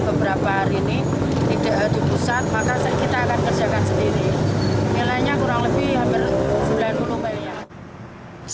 nilainya kurang lebih hampir sembilan puluh miliar